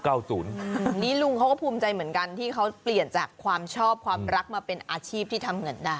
อันนี้ลุงเขาก็ภูมิใจเหมือนกันที่เขาเปลี่ยนจากความชอบความรักมาเป็นอาชีพที่ทำเงินได้